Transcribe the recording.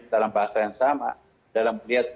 dalam bahasa yang sama dalam melihat